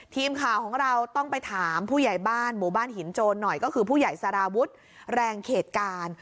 ทีมข่าวของเราต้องไปถามผู้ใหญ่บ้านหมู่บ้านหินโจรหน่อยก็คือผู้ใหญ่สารวุฒิแรงเขตการ